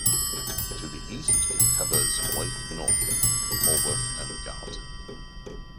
To the east it covers White Nothe, Holworth and Galton.